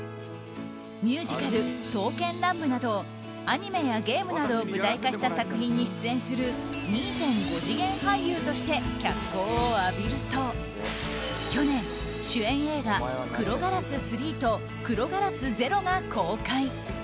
ミュージカル「刀剣乱舞」などアニメやゲームなどを舞台化した作品に出演する２．５次元俳優として脚光を浴びると去年、主演映画「クロガラス３」と「クロガラス０」が公開。